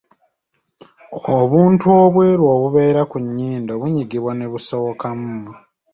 Obuntu obweru obubeera ku nnyindo bunyigibwa ne busowokamu.